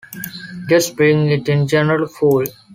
Just bring it in general, fool!